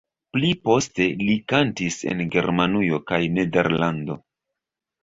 Pli poste li kantis en Germanujo kaj Nederlando.